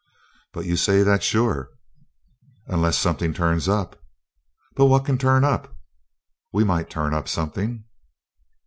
"But you say that's sure." "Unless something turns up." "But what can turn up?" "We might turn something."